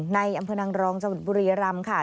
ในอำเภอนางรองจังหวัดบุรียรำค่ะ